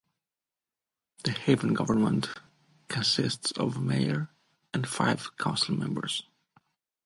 The Haven government consists of a mayor and five council members.